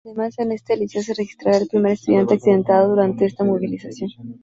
Además en este liceo se registraría el primer estudiante accidentado durante esta movilización.